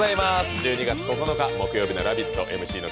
１２月９日木曜日の「ラヴィット！」